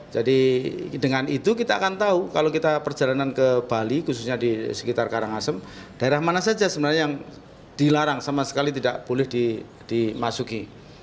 jadi dengan itu kita akan tahu kalau kita perjalanan ke bali khususnya di sekitar karangasem daerah mana saja sebenarnya yang dilarang sama sekali tidak boleh dimasuki